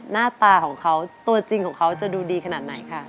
หน้าตาของเขาตัวจริงของเขาจะดูดีขนาดไหนคะ